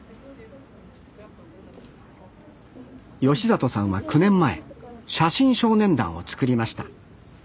里さんは９年前写真少年団を作りました。